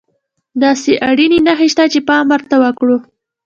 داسې اړينې نښې شته چې پام ورته وکړو.